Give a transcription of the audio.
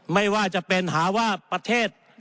ไม่ว่าจะเป็นหาว่าประเทศ